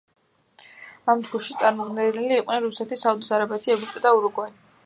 ამ ჯგუფში წარმოდგენილნი იყვნენ რუსეთი, საუდის არაბეთი, ეგვიპტე და ურუგვაი.